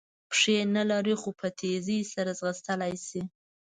پښې نه لري خو په تېزۍ سره ځغلېدلای شي.